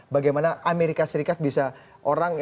bagaimana amerika serikat bisa orang